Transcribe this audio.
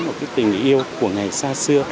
một tình yêu của ngày xa xưa